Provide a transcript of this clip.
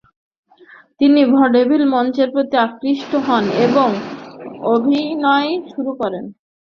তিনি ভডেভিল মঞ্চের প্রতি আকৃষ্ট হন এবং অভিনয় শুরু করেন।